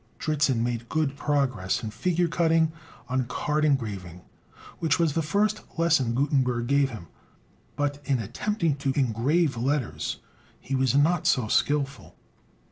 Dritzhn made good progress in figure cutting on card engraving, which was the first lesson Gutenberg gave him; but in attempting to engrave letters, he was not so skillful.